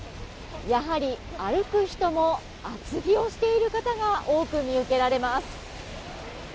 やはり歩く人も厚着をしている方が多く見受けられます。